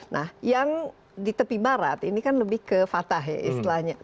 nah yang di tepi barat ini kan lebih ke fatah ya istilahnya